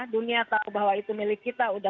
dunia tahu bahwa itu milik kita udah